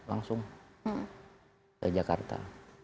langsung ke jakarta